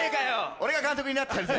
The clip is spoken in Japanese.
俺が監督になってやるぜ！